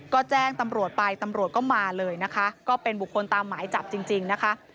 ก็แจ้งตำรวจไปตำรวจก็มาเลยนะคะก็เป็นบุคคลตามหมายจับจริงนะคะ